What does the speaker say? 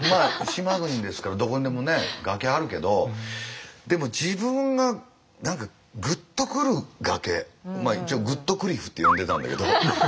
島国ですからどこにでも崖あるけどでも自分が何かグッとくる崖一応グットクリフって呼んでたんだけど。